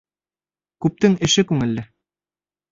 Күптең эше күңелле.